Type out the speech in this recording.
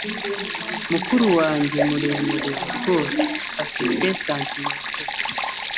Mukuru wanjye muremure rwose. Afite santimetero .